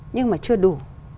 nhưng mà chưa đủ